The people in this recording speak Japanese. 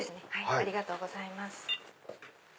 ありがとうございます。